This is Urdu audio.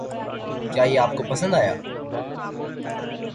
کیا یہ آپ کو پَسند آیا؟